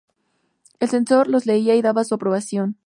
El censor los leía y daba su aprobación.